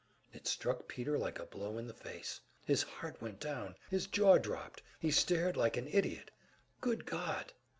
It struck Peter like a blow in the face. His heart went down, his jaw dropped, he stared like an idiot. Good God!